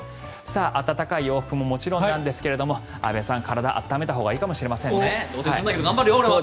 暖かい洋服ももちろんなんですが安部さん、体を温めたほうがいいかもしれませんね。